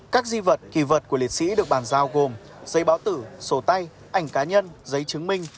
các di vật kỳ vật của liệt sĩ được bàn giao gồm giấy báo tử sổ tay ảnh cá nhân giấy chứng minh